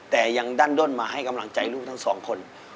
แต่ยังดั้นด้นมาให้กำลังใจลูก๒คน